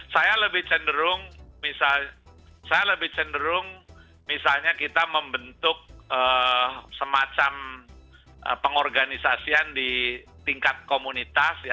saya lebih cenderung misalnya kita membentuk semacam pengorganisasian di tingkat komunitas ya